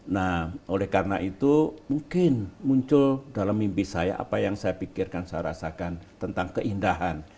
nah oleh karena itu mungkin muncul dalam mimpi saya apa yang saya pikirkan saya rasakan tentang keindahan